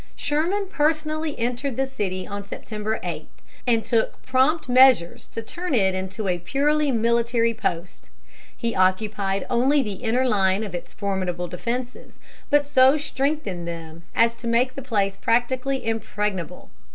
Sherman personally entered the city on September 8, and took prompt measures to turn it into a purely military post. He occupied only the inner line of its formidable defenses, but so strengthened them as to make the place practically impregnable.